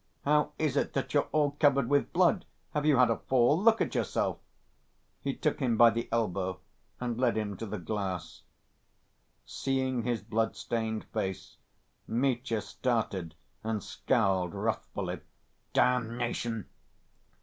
"How is it that you're all covered with blood? Have you had a fall? Look at yourself!" He took him by the elbow and led him to the glass. Seeing his blood‐stained face, Mitya started and scowled wrathfully. "Damnation!